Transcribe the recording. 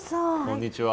こんにちは。